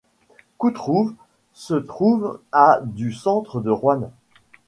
Coutouvre se trouve à du centre de Roanne.